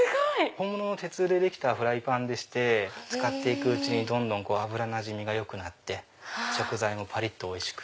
本物の鉄でできたフライパンでして使って行くうちにどんどん油なじみがよくなって食材もぱりっとおいしく。